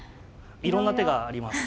いろんな手があります。